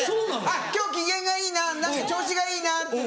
「あっ今日機嫌がいいな何か調子がいいな」っていうの。